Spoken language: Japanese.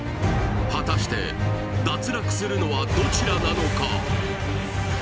果たして脱落するのはどちらなのか？